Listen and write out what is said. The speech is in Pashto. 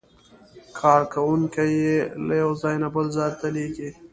کارکوونکي یې له یو ځای نه بل ته لېږي.